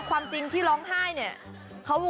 ความจริงที่ร้องไห้เนี่ย